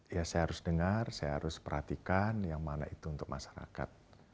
ya saya harus dengar saya harus perhatikan yang mana itu untuk masyarakat